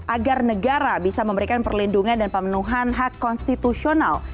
agar negara bisa memberikan perlindungan dan pemenuhan hak konstitusional